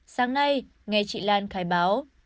sáng nay nghe chị lan khai báo